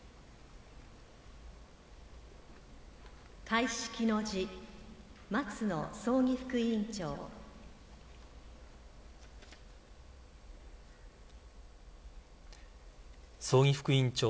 開式の辞、松野葬儀副委員長。